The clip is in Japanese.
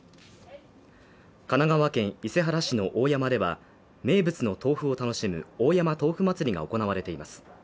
神奈川県伊勢原市の大山では、名物の豆腐を楽しむ大山とうふまつりが行われています。